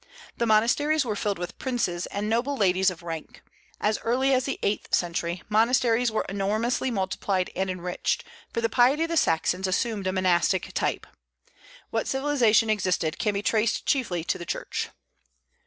The monasteries were filled with princes and nobles and ladies of rank. As early as the eighth century monasteries were enormously multiplied and enriched, for the piety of the Saxons assumed a monastic type. What civilization existed can be traced chiefly to the Church.